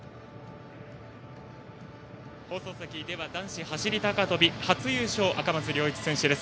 放送席男子走り高跳び初優勝の赤松諒一選手です。